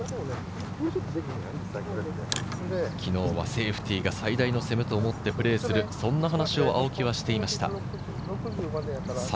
昨日はセーフティーが最大の攻めと思ってプレーする、そんな話を青木はしていました。